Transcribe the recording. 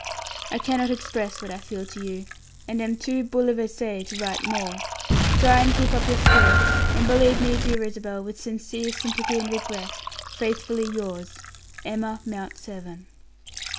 "I cannot express what I feel for you, and am too bouleversee to write more. Try and keep up your spirits, and believe me, dear Isabel, with sincere sympathy and regret, faithfully yours, "EMMA MOUNT SEVERN."